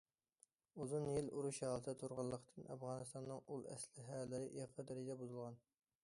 ئۇزۇن يىل ئۇرۇش ھالىتىدە تۇرغانلىقتىن، ئافغانىستاننىڭ ئۇل ئەسلىھەلىرى ئېغىر دەرىجىدە بۇزۇلغان.